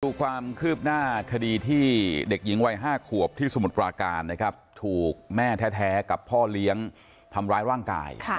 ดูความคืบหน้าคดีที่เด็กหญิงวัย๕ขวบที่สมุทรปราการนะครับถูกแม่แท้กับพ่อเลี้ยงทำร้ายร่างกาย